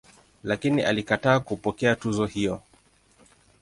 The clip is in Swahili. Lakini alikataa kupokea tuzo hiyo.